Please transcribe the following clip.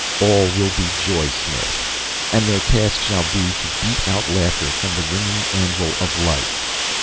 All will be joy smiths, and their task shall be to beat out laughter from the ringing anvil of life.